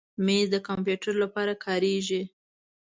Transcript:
مېز د کمپیوټر لپاره کارېږي.